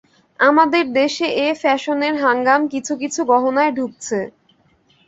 আমাদের দেশে এ ফ্যাশনের হাঙ্গাম কিছু কিছু গহনায় ঢুকছে।